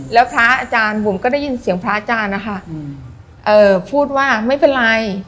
แล้วพระอาจารย์บุ๋มก็ได้ยินเสียงพระอาจารย์นะคะพูดว่าไม่เป็นไร